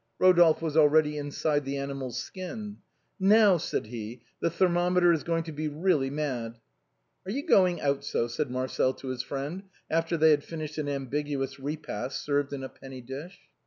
Eodolphe was already inside the animal's skin. " Now," said he, " the thermometer is going to be sold a trifle." " Are you going out so ?" said Marcel to his friend, after they had finished an ambiguous repast served in a penny dish.